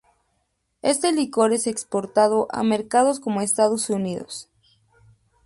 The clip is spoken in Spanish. Este licor es exportado a mercados como Estados Unidos.